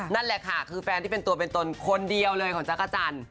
นั่นแหละค่ะคือแฟนที่เป็นตัวเป็นตนคนเดียวเลยของจักรจันทร์